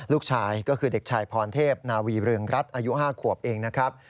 ลูกชายก็คือเด็กชายพรเทพนาวีเรืองรัฐอายุ๕ขวบเองนะครับ